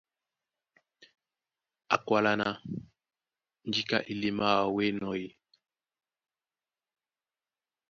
Á kwálá ná :Njíka elemáā wǎ ó enɔ́ ē?